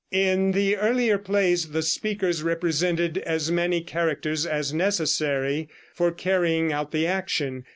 In the earlier plays the speakers represented as many characters as necessary for carrying out the action.